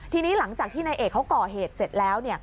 ทีนี้หลังจากที่นายเอกเขาก่อเหตุเสร็จแล้ว